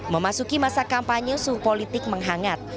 memasuki masa kampanye suhu politik menghangat